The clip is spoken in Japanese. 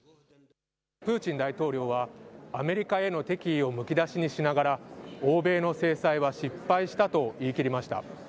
プーチン大統領は、アメリカへの敵意をむき出しにしながら、欧米の制裁は失敗したと言い切りました。